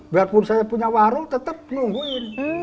biarpun saya punya warung tetap nungguin